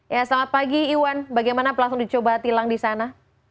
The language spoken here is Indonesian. ya selamat pagi iwan bagaimana pelaksanaan uji coba tilang di sana